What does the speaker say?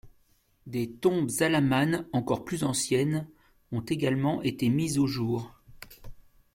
Des tombes alamanes encore plus anciennes ont également été mises au jour.